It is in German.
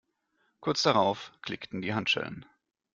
Kurz darauf klickten die Handschellen.